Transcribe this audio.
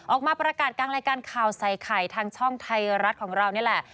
ออกมาประกาศกลางรายการข่าวใส่ไข่ทางช่องไทยรัฐของเรานี่แหละ